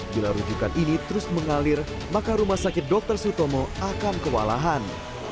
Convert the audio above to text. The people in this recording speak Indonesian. bila rujukan ini terus mengalir maka rumah sakit dr sutomo akan kewalahan